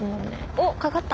おかかった。